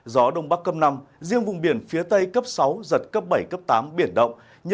gió đông bắc cấp năm riêng vùng biển phía tây cấp sáu giật cấp bảy cấp tám biển động